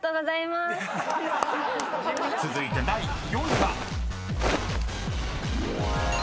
［続いて第４位は］